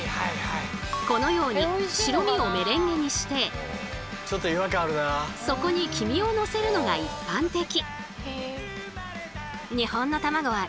このように白身をメレンゲにしてそこに黄身をのせるのが一般的。